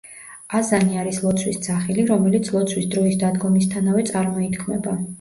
აზანი არის ლოცვის ძახილი, რომელიც ლოცვის დროის დადგომისთანავე წარმოითქმება.